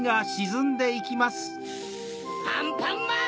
アンパンマン！